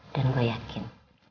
dan gue yakin